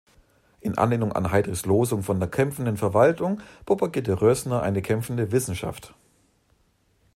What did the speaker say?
In Anlehnung an Heydrichs Losung von der „kämpfenden Verwaltung“, propagierte Rößner eine „kämpfende Wissenschaft“.